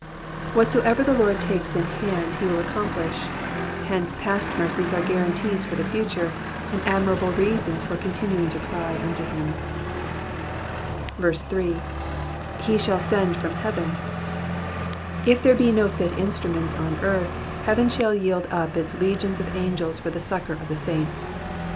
Whatsoever the Lord takes in hand he will accomplish ; hence past mercies are guarantees for the future, and admirable reasons for continuing to cry unto him. 8. "ife shaU send from herwen.'*'* If there be no fit instruments on earth, heaven shall yield up its legions of angels for the succour of the saints.